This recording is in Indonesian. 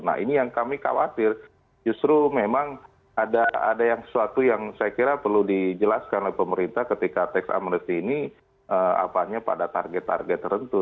nah ini yang kami khawatir justru memang ada yang sesuatu yang saya kira perlu dijelaskan oleh pemerintah ketika tax amnesty ini pada target target tertentu